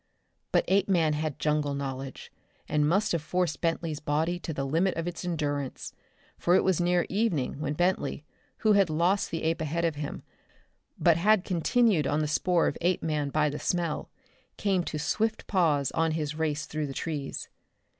But Apeman had jungle knowledge, and must have forced Bentley's body to the limit of its endurance, for it was near evening when Bentley, who had lost the ape ahead of him, but had continued on the spoor of Apeman by the smell, came to swift pause on his race through the trees.